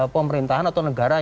pemerintahan atau negara